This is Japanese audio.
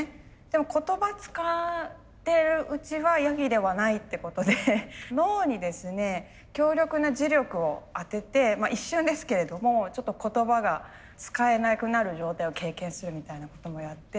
でも言葉使ってるうちはヤギではないってことで脳にですね強力な磁力を当てて一瞬ですけれどもちょっと言葉が使えなくなる状態を経験するみたいなこともやって。